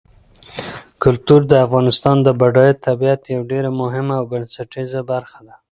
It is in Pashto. کلتور د افغانستان د بډایه طبیعت یوه ډېره مهمه او بنسټیزه برخه ده.